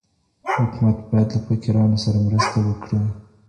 حکومت باید له فقیرانو سره مرسته وکړي.